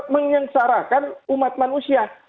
menyengsarakan umat manusia